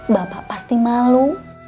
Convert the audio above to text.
bapak pasti malu